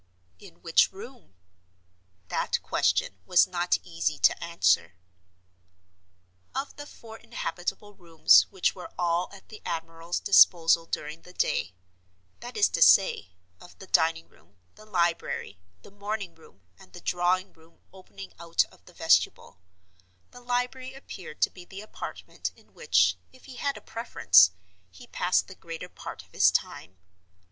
In which room? That question was not easy to answer. Of the four inhabitable rooms which were all at the admiral's disposal during the day—that is to say, of the dining room, the library, the morning room, and the drawing room opening out of the vestibule—the library appeared to be the apartment in which, if he had a preference, he passed the greater part of his time.